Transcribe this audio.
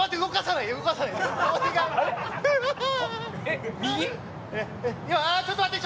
いやちょっと待って！